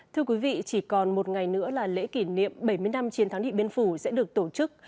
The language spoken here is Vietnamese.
thưa quý vị chỉ còn một ngày nữa là lễ kỷ niệm bảy mươi năm chiến thắng địa biên phủ sẽ được tổ chức